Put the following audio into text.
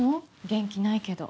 元気ないけど。